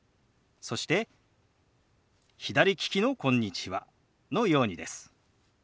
そして左利きの「こんにちは」のようにです。